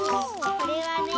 これはね